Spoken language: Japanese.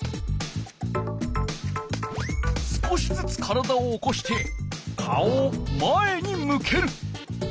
少しずつ体を起こして顔を前に向ける。